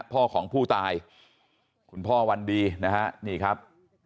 พ่อของผู้ตายคุณพ่อวันดีนะฮะนี่ครับ